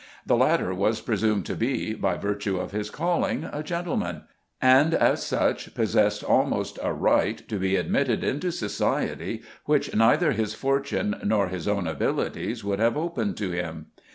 The latter was presumed to be, by virtue of his calling, a gentleman, and as such possessed almost a right to be admitted into society which neither his fortune nor his own abilities would have opened to him.